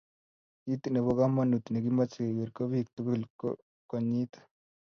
Kiit ne bo komonut ne kimoche keger ko biik tugul ko konyit.